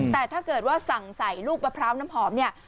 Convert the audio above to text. แต่ถ้าเกิดว่าสั่งใส่ลูกมะพร้าวน้ำหอมเนี่ย